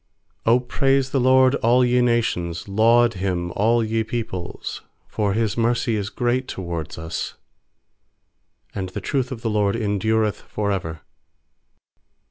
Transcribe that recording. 1 1 *7 0 praise the LORD, all ye nations; Laud Him, all ye peoples. 2 For His mercy is great toward us; And the truth of the LORD en dureth for ever.